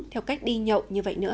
theo cách đi nhậu như vậy nữa